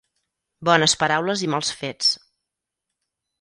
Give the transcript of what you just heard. Bones paraules i mals fets.